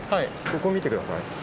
ここ見てください。